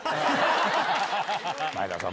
前田さん